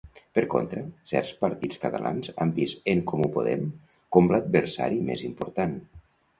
Per contra, certs partits catalans han vist En Comú Podem com l'adversari més important.